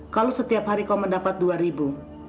kalau setiap hari kau mendapat dua ribu